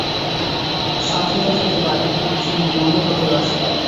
সাধুতা যত বাড়ে কৃত্রিম নিয়মও তত হ্রাস পায়।